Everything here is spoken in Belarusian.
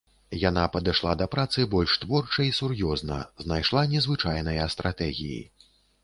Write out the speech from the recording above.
Яна падышла да працы больш творча і сур'ёзна, знайшла незвычайныя стратэгіі.